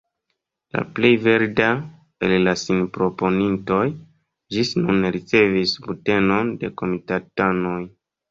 La plej verda el la sinproponintoj ĝis nun ne ricevis subtenon de komitatanoj.